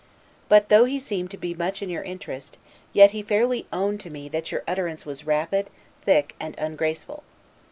But, though he seemed to be much in your interest, yet he fairly owned to me that your utterance was rapid, thick, and ungraceful.